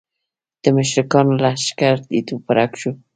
د مشرکانو لښکر تیت و پرک شو.